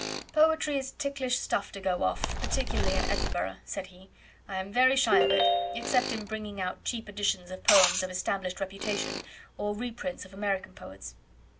"Poetry is ticklish stuff to go off, particularly in Edinburgh," said he. "I am very shy of it, except in bringing out cheap editions of poems of established reputation, or reprints of American poets."